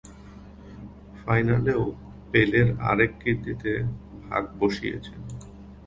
ফাইনালেও পেলের আরেক কীর্তিতে ভাগ বসিয়েছেন।